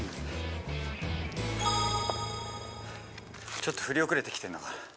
ちょっと振り遅れてきてるのかな。